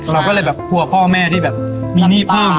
เราก็เลยแบบครับพ่อแม่ที่มีหนี้เพิ่มแล้วเยอะ